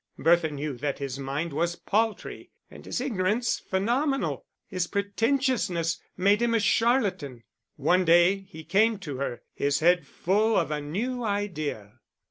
Bertha knew that his mind was paltry and his ignorance phenomenal: his pretentiousness made him a charlatan. One day he came to her, his head full of a new idea.